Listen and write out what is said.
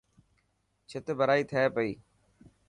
ڇٿ ڀرائي ٿي پئي.